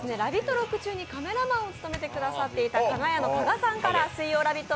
ＲＯＣＫ中にカメラマンを務めてくださったかが屋の加賀さんから水曜「ラヴィット！」